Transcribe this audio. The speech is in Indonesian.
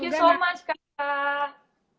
terima kasih banyak kak